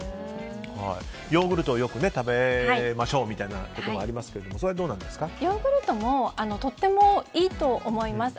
ヨーグルトをよく食べましょうということがありますがヨーグルトもとてもいいと思います。